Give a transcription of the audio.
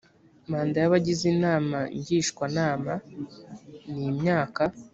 manda y abagize inama ngishwanama ni imyaka